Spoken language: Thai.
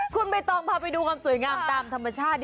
คุณใบตองพาไปดูความสวยงามตามธรรมชาติ